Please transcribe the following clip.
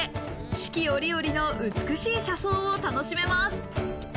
四季折々の美しい車窓を楽しめます。